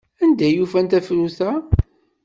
Anda ay ufan tafrut-a?